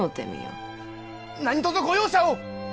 何とぞご容赦を！